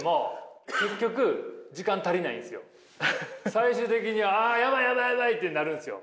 最終的にああやばいやばいやばいってなるんですよ。